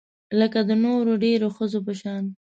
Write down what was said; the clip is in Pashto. لکه د نورو ډیرو ښځو په شان